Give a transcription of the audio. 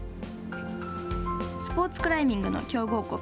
スポーツクライミングの強豪国